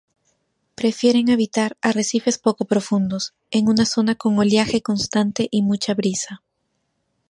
Prefieren habitar arrecifes poco profundos, en una zona con oleaje constante y mucha brisa.